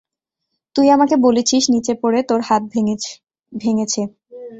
তুই আমাকে বলেছিস নিচে পড়ে তোর হাত ভেঙ্গেছ।